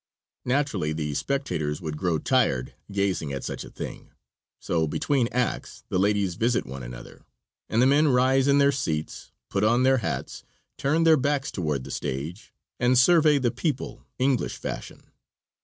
Naturally the spectators would grow tired gazing at such a thing, so between acts the ladies visit one another, and the men rise in their seats, put on their hats, turn their backs toward the stage, and survey the people, English fashion.